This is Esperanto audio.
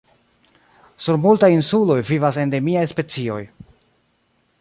Sur multaj insuloj vivas endemiaj specioj.